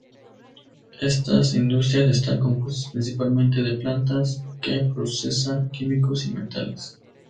Estas industrias están compuestas principalmente de plantas que procesan químicos y metales.